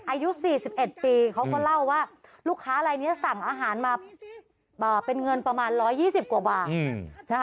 อายุสี่สิบเอ็ดปีเขาก็เล่าว่าลูกค้ามารายนี้สั่งอาหารมาเป็นเงินประมาณร้อยยี่สิบกว่าบาท